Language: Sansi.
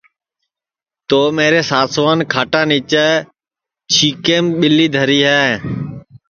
تو میرے ساسوان کھاٹا نیچے چھیکیم ٻیلی دھری تی